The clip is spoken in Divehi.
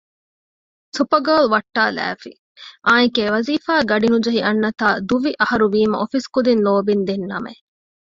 ސުޕަގާލް ވައްޓާލާފި އާއެކެވެ ވާޒީފާ އަށް ގަޑި ނުޖެހި އަންނަތާ ދުވި އަހަރުވީމަ އޮފީސް ކުދިން ލޯބިން ދިންނަމެއް